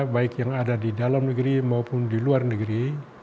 baik yang ada di dalam negeri maupun di luar negeri